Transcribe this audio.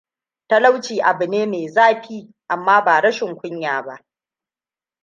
Talauci abune mai zafi, amma ba rashin kunya ba.